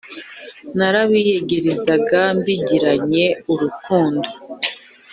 Narabiyegerezaga mbigiranye urukundo,